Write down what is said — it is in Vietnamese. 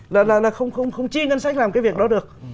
là không chi ngân sách làm cái việc đó được